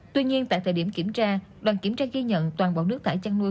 tuy nhiên tại thời điểm kiểm tra đoàn kiểm tra ghi nhận toàn bộ nước thải chăn nuôi